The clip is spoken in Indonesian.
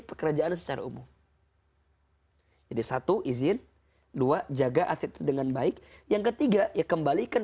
pekerjaan secara umum jadi satu izin dua jaga aset itu dengan baik yang ketiga ya kembalikan